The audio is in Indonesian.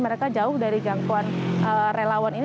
mereka jauh dari jangkauan relawan ini